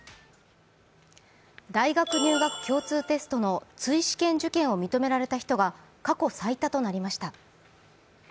大学入学共通テストの追試験受験を認められた人は過去最多となりました。